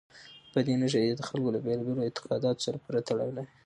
بادي انرژي د خلکو له بېلابېلو اعتقاداتو سره پوره تړاو لري.